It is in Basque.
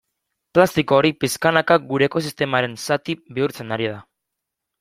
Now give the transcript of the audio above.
Plastiko hori pixkanaka gure ekosistemaren zati bihurtzen ari da.